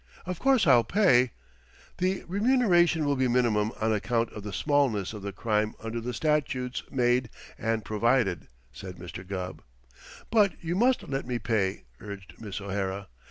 Of course I'll pay " "The remuneration will be minimum on account of the smallness of the crime under the statutes made and provided," said Mr. Gubb. "But you must let me pay!" urged Miss O'Hara.